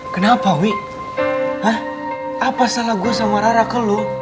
kenapa wi hah apa salah gue sama rara ke lo